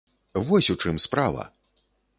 Вось у чым справа!